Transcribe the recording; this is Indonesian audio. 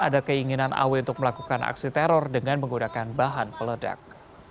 ada keinginan aw untuk melakukan aksi teror dengan menggunakan bahan peledak